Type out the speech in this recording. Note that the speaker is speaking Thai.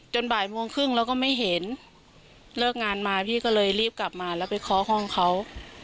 บ่ายโมงครึ่งเราก็ไม่เห็นเลิกงานมาพี่ก็เลยรีบกลับมาแล้วไปเคาะห้องเขา